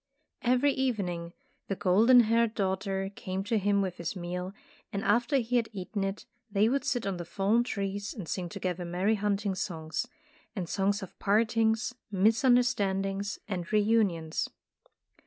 Every evening the golden haired daughter came to him with his meal, and after he had eaten it, they would sit on the fallen trees, and sing together merry hunting songs, and songs of part ings, misunderstandings, and reunions.